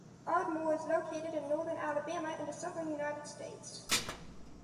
Ardmore is located in northern Alabama in the southern United States.